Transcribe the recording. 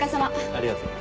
ありがとう。